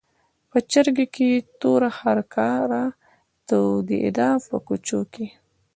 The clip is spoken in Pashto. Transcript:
په چرګۍ کې یې توره هرکاره تودېده په کوچو کې.